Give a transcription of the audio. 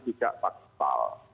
juga pak toto